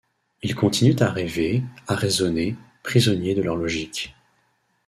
Ils continuent à rêver, à raisonner, prisonniers de leurs logiques.